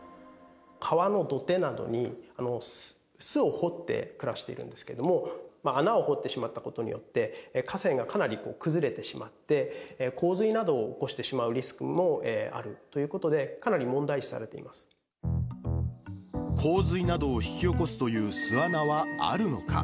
川の土手などに巣を掘って、暮らしているんですけれども、穴を掘ってしまったことによって、河川がかなり崩れてしまって、洪水などを起こしてしまうリスクもあるということで、かなり問題洪水などを引き起こすという巣穴はあるのか。